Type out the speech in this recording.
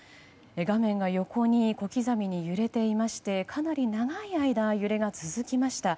画面が横に小刻みに揺れていましてかなり長い間揺れが続きました。